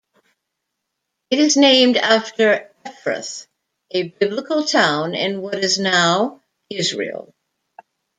It is named after Ephrath, a biblical town in what is now Israel.